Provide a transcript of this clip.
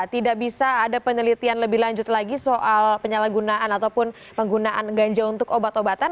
tidak bisa ada penelitian lebih lanjut lagi soal penyalahgunaan ataupun penggunaan ganja untuk obat obatan